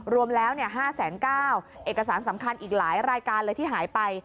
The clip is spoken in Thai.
รวมแล้ว๕๙๐๐เอกสารสำคัญอีกหลายรายการเลยที่หายไป